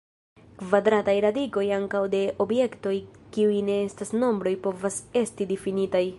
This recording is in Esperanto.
Kvadrataj radikoj ankaŭ de objektoj kiuj ne estas nombroj povas esti difinitaj.